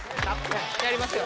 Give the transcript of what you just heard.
やりますよ。